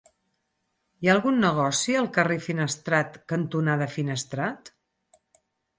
Hi ha algun negoci al carrer Finestrat cantonada Finestrat?